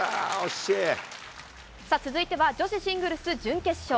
続いては女子シングルス準決勝。